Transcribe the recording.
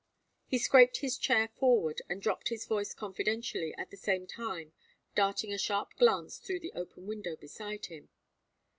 He scraped his chair forward and dropped his voice confidentially, at the same time darting a sharp glance through the open window beside him.